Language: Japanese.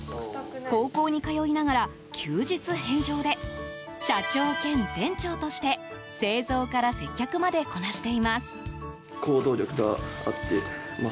高校に通いながら、休日返上で社長兼店長として、製造から接客までこなしています。